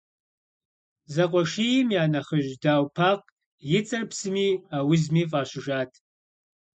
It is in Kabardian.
Зэкъуэшийм я нэхъыжь Дау Пакъ и цӏэр псыми аузми фӏащыжащ.